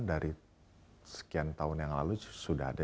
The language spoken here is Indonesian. dari sekian tahun yang lalu sudah ada